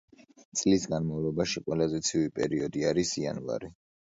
წლის განმავლობაში ყველაზე ცივი პერიოდი არის იანვარი.